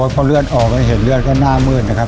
พอเลือดออกเห็นเลือดก็หน้ามืดนะครับ